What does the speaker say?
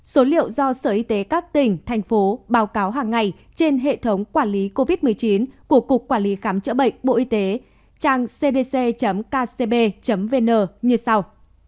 số liệu do sở y tế các tỉnh thành phố báo cáo hàng ngày trên hệ thống quản lý covid một mươi chín của cục quản lý khám chữa bệnh bộ y tế trang cdc kcb vn như sau